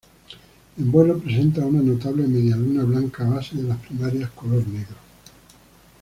En vuelo presenta una notable media luna blanca, base de las primarias color negro.